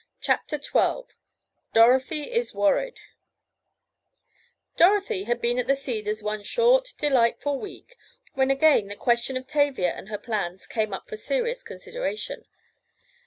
CHAPTER XII DOROTHY IS WORRIED Dorothy had been at the Cedars one short, delightful week when again the question of Tavia and her plans came up for serious consideration.